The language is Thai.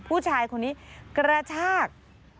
ผู้ชายคนนี้กระชาก